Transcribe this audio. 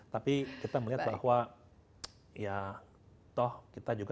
tapi kita melihat bahwa ya toh kita juga